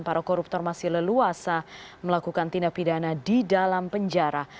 para koruptor masih leluasa melakukan tindak pidana di dalam penjara